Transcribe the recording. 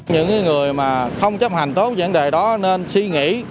những người mà không chấp hành tốt vấn đề đó nên suy nghĩ